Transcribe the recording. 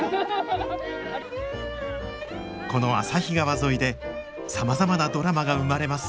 この旭川沿いでさまざまなドラマが生まれます